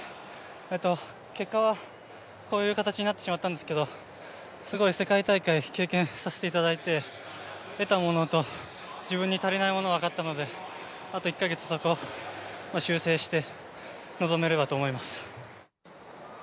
結果はこういう形になってしまったんですけどすごい世界大会、経験させていただいて、得たものと自分に足りないものが分かったので、あと１か月、そこを修正して臨めればと思います。